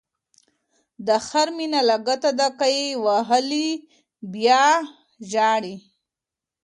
د خر مینه لګته ده، که یې ووهلی بیا به ژاړی.